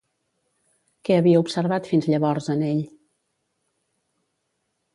Què havia observat fins llavors en ell?